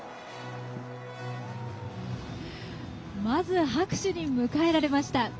まず拍手に迎えられました。